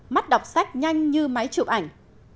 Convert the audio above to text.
mắt đọc sách nhanh như máy chụp ảnh